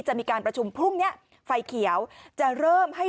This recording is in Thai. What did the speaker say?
จะมีการประชุมพรุ่งนี้ไฟเขียวจะเริ่มให้